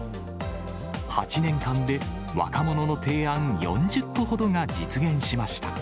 ８年間で若者の提案４０個ほどが実現しました。